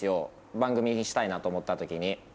番組にしたいなと思った時に。